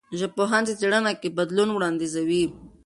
ژبپوهان چې څېړنه کوي، بدلون وړاندیزوي.